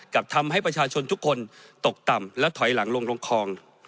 ทำให้ประชาชนทุกคนตกต่ำและถอยหลังลงลงคลอง